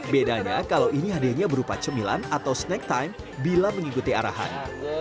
bedanya kalau ini hadiahnya berupa cemilan atau snack time bila mengikuti arahan